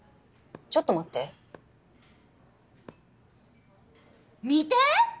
ちょっと待って「未定」